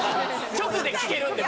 直で聞けるんで僕。